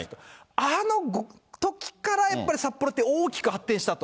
あのときからやっぱり札幌って大きく発展したと。